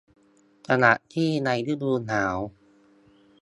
ขณะที่ในฤดูหนาว